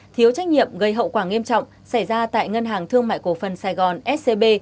thiếu trách nhiệm gây hậu quả nghiêm trọng xảy ra tại ngân hàng thương mại cổ phần sài gòn scb